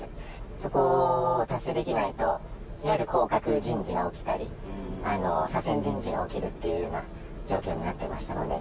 そこを達成できないと、やはり降格人事が起きたり、左遷人事が起きるっていうような状況になっていましたので。